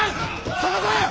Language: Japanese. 捜せ！